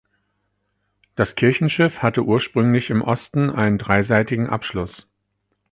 Das Kirchenschiff hatte ursprünglich im Osten einen dreiseitigen Abschluss.